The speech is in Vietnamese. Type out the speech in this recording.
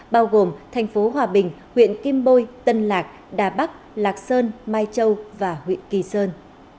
bao gồm thành phố hòa bình huyện kim bôi tân lạc đà bắc lạc sơn mai châu và huyện kỳ sơn